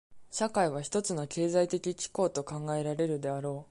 社会は一つの経済的機構と考えられるであろう。